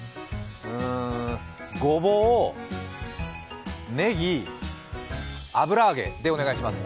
ごぼう、ねぎ、油揚げでお願いします。